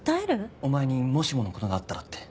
お前にもしもの事があったらって。